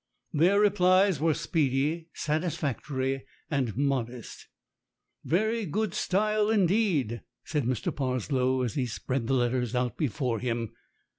Their replies were speedy, satisfactory, and modest. "Very good style indeed," said Mr. Parslow as he spread the letters out before him.